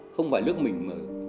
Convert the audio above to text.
không phải nước mình mà